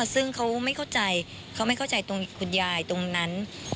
ซึ่งเขาไม่เข้าใจเขาไม่เข้าใจตรงคุณยายตรงนั้น